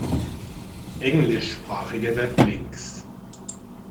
Englischsprachige Weblinks